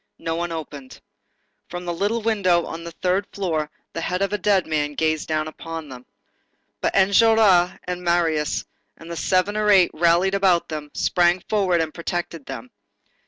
No one opened. From the little window on the third floor, the head of the dead man gazed down upon them. But Enjolras and Marius, and the seven or eight rallied about them, sprang forward and protected them.